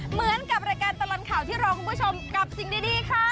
เหมือนกับรายการตลอดข่าวที่รอคุณผู้ชมกับสิ่งดีค่ะ